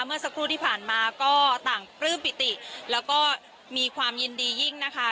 เมื่อสักครู่ที่ผ่านมาก็ต่างปลื้มปิติแล้วก็มีความยินดียิ่งนะคะ